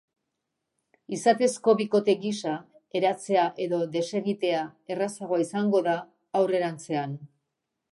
Izatezko bikote gisa eratzea edo desegitea errazagoa izango da aurrerantzean.